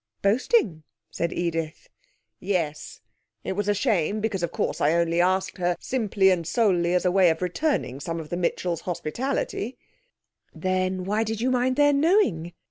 'Boasting!' said Edith. 'Yes, it was a shame, because of course I only asked her simply and solely as a way of returning some of the Mitchells' hospitality ' 'Then why did you mind their knowing?'